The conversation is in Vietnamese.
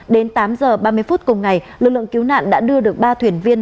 đến tám giờ ba mươi phút cùng ngày lực lượng cứu nạn đã đưa được ba thuyền viên